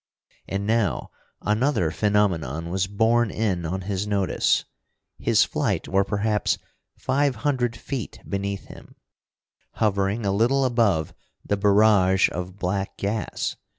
And now another phenomenon was borne in on his notice. His flight were perhaps five hundred feet beneath him, hovering a little above the barrage of black gas.